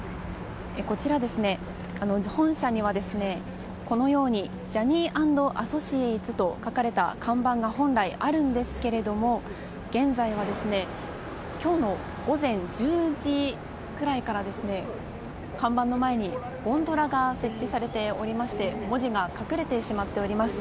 本社には「Ｊｏｈｎｎｙ＆Ａｓｓｏｃｉａｔｅｓ」と書かれた看板が本来あるんですけれども現在は今日の午前１０時くらいから看板の前にゴンドラが設置されておりまして文字が隠れてしまっております。